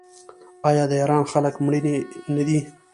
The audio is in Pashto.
آیا د ایران خلک میړني نه دي؟